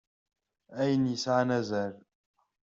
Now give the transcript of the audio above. Ayen yesɛan azal.